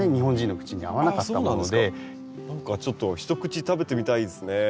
何かちょっと一口食べてみたいですね。